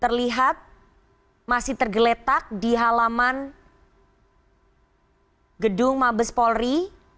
terlihat masih tergeletak di halaman gedung mabes polri